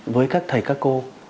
với các thầy các cô